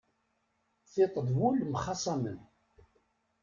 Tiṭ d wul mxaṣamen.